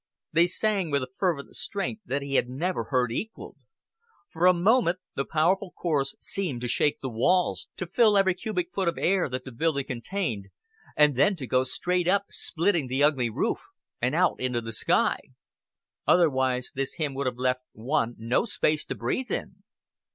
They sang with a fervent strength that he had never heard equaled. For a moment the powerful chorus seemed to shake the walls, to fill every cubic foot of air that the building contained, and then to go straight up, splitting the ugly roof, and out into the sky. Otherwise this hymn would have left one no space to breathe in.